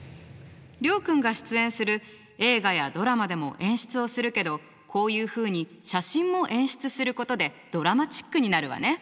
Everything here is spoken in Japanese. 諒君が出演する映画やドラマでも演出をするけどこういうふうに写真も演出することでドラマチックになるわね。